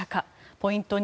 ポイント２